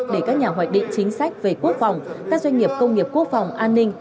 để các nhà hoạch định chính sách về quốc phòng các doanh nghiệp công nghiệp quốc phòng an ninh